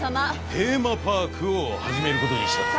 テーマパークを始めることにした。え！？